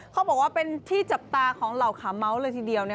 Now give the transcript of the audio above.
เขาบอกว่าเป็นที่จับตาของเหล่าขาเมาส์เลยทีเดียว